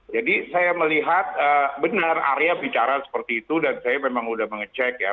jadi saya melihat benar arya bicara seperti itu dan saya memang udah mengecek ya